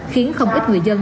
khiến không ít người dân